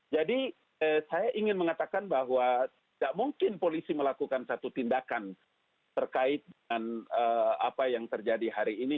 jadi saya ingin mengatakan bahwa tidak mungkin polisi melakukan satu tindakan terkait dengan apa yang terjadi hari ini